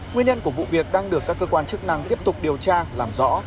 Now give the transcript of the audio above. nguyên nhân của vụ việc đang được các cơ quan chức năng tiếp tục điều tra làm rõ